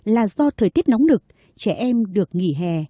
là do thời tiết nóng nực trẻ em được nghỉ hè